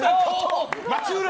松浦！